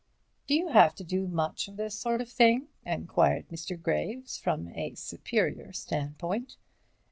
"D'you have to do much of this sort of thing?" enquired Mr. Graves, from a superior standpoint.